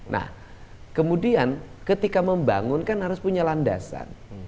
nah kemudian ketika membangun kan harus punya landasan